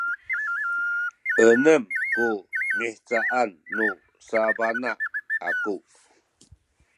enem ku mihcaan nu sabana aku